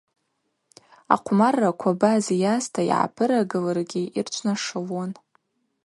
Ахъвмарраква баз йаста йгӏапырагылыргьи йырчвнашылуан.